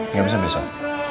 nggak bisa besok